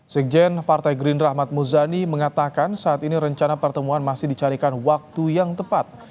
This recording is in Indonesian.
sekjen partai gerindra ahmad muzani mengatakan saat ini rencana pertemuan masih dicarikan waktu yang tepat